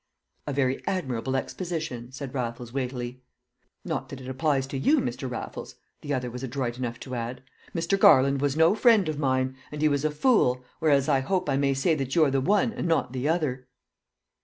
"A very admirable exposition," said Raffles weightily. "Not that it applies to you, Mr. Raffles," the other was adroit enough to add. "Mr. Garland was no friend of mine, and he was a fool, whereas I hope I may say that you're the one and not the other."